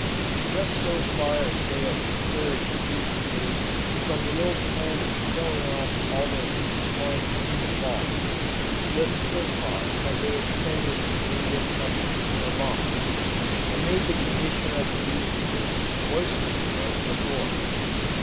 Just so far as they have discouraged bee keepers from the old plan of killing off all their weak swarms in the Fall, just so far have they extended "aid and comfort" to the moth, and made the condition of the bee keeper worse than it was before.